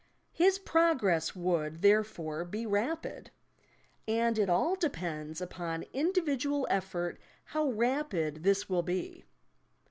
His progress would, therefore, be rapid ; and it all depends upon individual effort how rapid this will be.